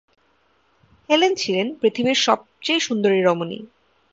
Helen ছিলেন পৃথিবীর সবচেয়ে সুন্দরী রমণী।